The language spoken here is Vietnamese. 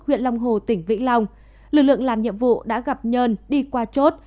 huyện long hồ tỉnh vĩnh long lực lượng làm nhiệm vụ đã gặp nhân đi qua chốt